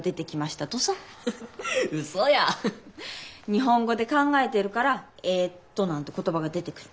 日本語で考えてるから「えっと」なんて言葉が出てくる。